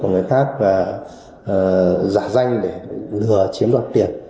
còn người khác là giả danh để lừa chiếm đoạt tiền